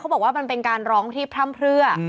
บอกว่ามันเป็นการร้องที่พร่ำเพลือ